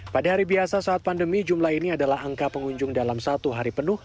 pada hari biasa saat pandemi jumlah ini adalah angka pengunjung dalam satu hari penuh